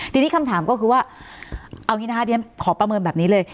ทีนี้คำถามก็คือว่าเอาทีนะขอประเมินแบบนี้เลย